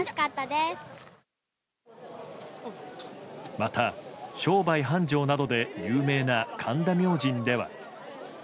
また、商売繁盛などで有名な神田明神では。